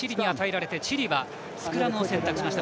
チリはスクラムを選択しました。